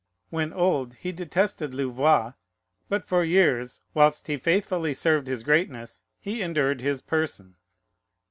When old, he detested Louvois; but for years, whilst he faithfully served his greatness, he endured his person.